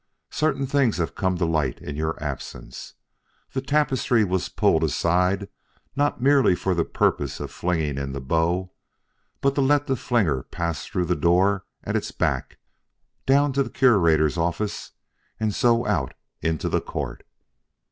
Certain things have come to light in your absence. That tapestry was pulled aside not merely for the purpose of flinging in the bow, but to let the flinger pass through the door at its back down to the Curator's office and so out into the court."